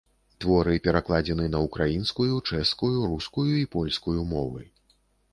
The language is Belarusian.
Творы перакладзены на ўкраінскую, чэшскую, рускую і польскую мовы.